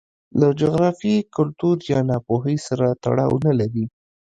له جغرافیې، کلتور یا ناپوهۍ سره تړاو نه لري.